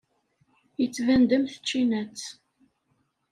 Yettban-d am tčinat.